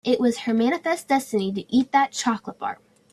It was her manifest destiny to eat that chocolate bar.